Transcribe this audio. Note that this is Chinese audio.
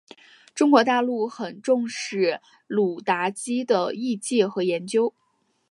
中国大陆很重视鲁达基的译介和研究。